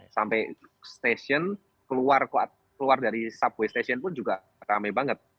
sampai stasiun keluar dari subway stasiun pun juga ramai banget